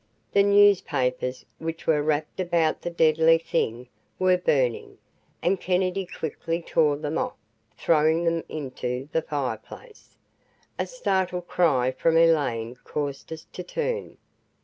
The newspapers which were wrapped about the deadly thing were burning, and Kennedy quickly tore them off, throwing them into the fireplace. A startled cry from Elaine caused us to turn.